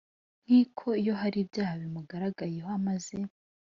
nkiko iyo hari ibyaha bimugaragayeho amaze